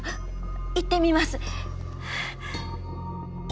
行ってみます。